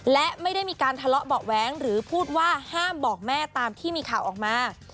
และไม่ได้มีการทะเลาะเบาะแว้งหรือพูดว่าห้ามบอกแม่ตามที่มีข่าวออกมา